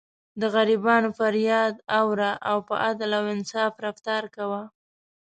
د غریبانو فریاد اوره او په عدل او انصاف رفتار کوه.